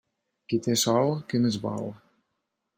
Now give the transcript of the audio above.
Qui té sol, què més vol?